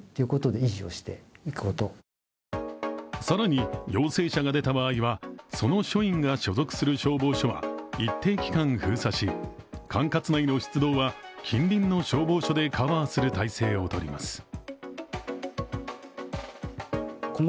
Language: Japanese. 更に、陽性者が出た場合にはその署員が所属する消防署は一定期間封鎖し、管轄内の出動は近隣の消防署でカバーする体制を取ります。